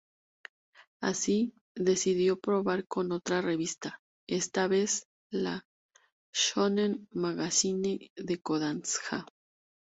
Así, decidió probar con otra revista, esta vez la "Shōnen Magazine" de Kōdansha.